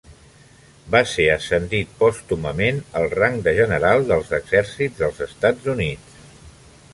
Va ser ascendit pòstumament al rang de General dels Exèrcits dels Estats Units.